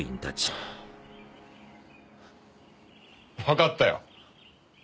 わかったよ。